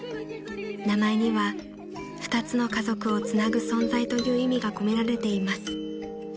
［名前には２つの家族をつなぐ存在という意味が込められています］